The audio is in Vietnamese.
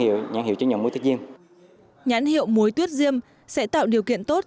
hiệu nhãn hiệu chứng nhận muối tuyết diêm nhãn hiệu muối tuyết diêm sẽ tạo điều kiện tốt